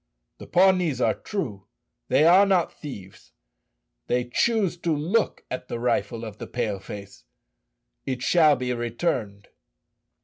"The Pawnees are true; they are not thieves. They choose to look at the rifle of the Pale face. It shall be returned."